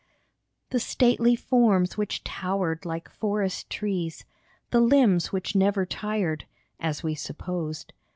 The stately forms which towered like forest trees, The limbs which never tired, (as we supposed